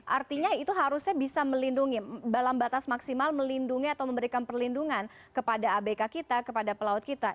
artinya itu harusnya bisa melindungi dalam batas maksimal melindungi atau memberikan perlindungan kepada abk kita kepada pelaut kita